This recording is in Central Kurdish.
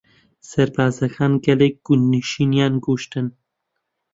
سەربازەکان گەلێک گوندنشینیان کوشتن.